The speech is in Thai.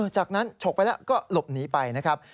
จากนั้นฉกไปแล้วก็หลบหนีไปนะครับ